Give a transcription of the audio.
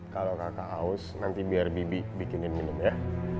kalau kakak haus nanti biar bibi bikinin minum ya